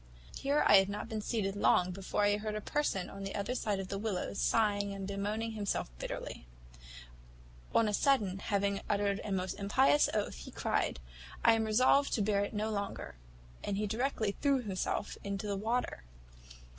Here I had not been seated long before I heard a person on the other side of the willows sighing and bemoaning himself bitterly. On a sudden, having uttered a most impious oath, he cried, `I am resolved to bear it no longer,' and directly threw himself into the water.